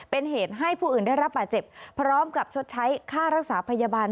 เป็นเหตุให้ผู้อื่นได้รับบาดเจ็บพร้อมกับชดใช้ค่ารักษาพยาบาล